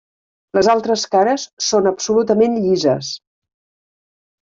Les altres cares són absolutament llises.